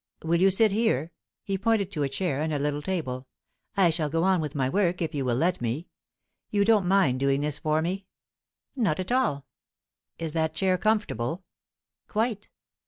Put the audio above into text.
"Will you sit here?" He pointed to a chair and a little table. "I shall go on with my work, if you will let me. You don't mind doing this for me?" "Not at all." "Is that chair comfortable?" "Quite."